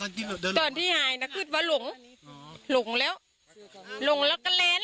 ใจก็เจอโทษมาห้าเล้น